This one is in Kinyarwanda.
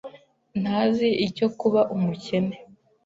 Ntazi icyo kuba umukene.